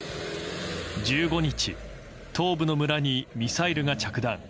１５日、東部の村にミサイルが着弾。